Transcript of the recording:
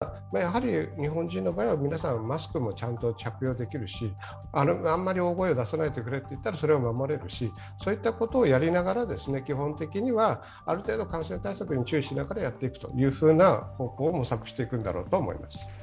無謀なことは、なかなか国内ではできないかもしれませんけれどもただ、日本人の場合は皆さんマスクもちゃんと着用できるしあまり大声を出さないと言えばそれを守れるしそういったことをやりながらある程度、感染対策に注意しながらやっていくというふうな方法を模索していくんだろうと思います。